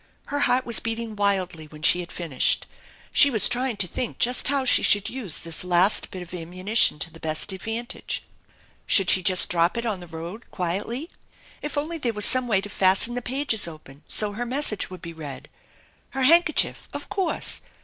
Her heart was beating wildly when she had finished. She was trying to think just how she should S54 THE ENCHANTED BARN use this last bit of ammunition to the best advantage. Should she just drop it in the road quietly ? If only there were some way to fasten the pages open so her message would be read! Her handkerchief ! Of course